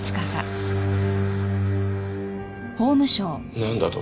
なんだと？